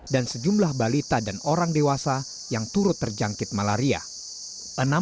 dan sejumlah balita dan orang dewasa yang turut terjangkit malaria